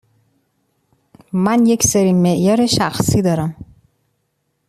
من یکسری معیار شخصی دارم.